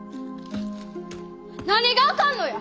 何があかんのや！